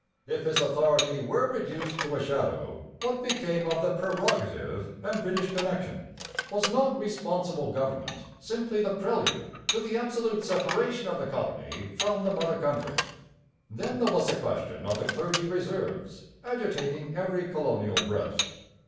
If his authority were reduced to a shadow, what became of the 'prerogative' and British connection? Was not 'responsible government' simply the prelude to the absolute separation of the colony from the mother country? Then there was the question of the Clergy Reserves agitating every colonial breast.